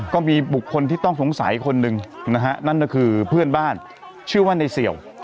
ก็มีบุคคลที่ต้องสงสัยคนหนึ่งนะฮะนั่นก็คือเพื่อนบ้านชื่อว่าในเสี่ยว